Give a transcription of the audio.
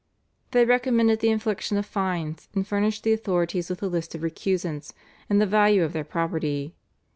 They recommended the infliction of fines, and furnished the authorities with a list of recusants and the value of their property.